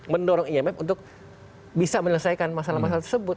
mendorong imf untuk bisa menyelesaikan masalah masalah tersebut